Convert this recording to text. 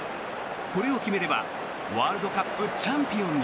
これを決めればワールドカップチャンピオンに。